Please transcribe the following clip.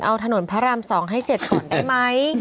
เอาถนนพระรำ๒ให้เสร็จผมได้ไหม